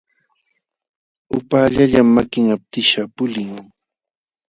Upaallallam makin aptishqa pulin.